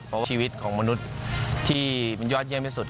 เพราะชีวิตของมนุษย์ที่มันยอดเยี่ยมที่สุด